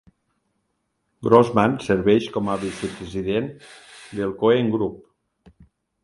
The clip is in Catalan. Grossman serveix com a vice-president del Cohen Group.